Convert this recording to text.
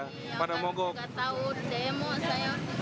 gak tahu demo saya